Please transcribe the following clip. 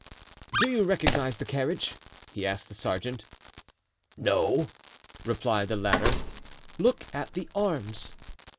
"Do you recognize the carriage?" he asked the sergeant. "No," replied the latter. "Look at the arms."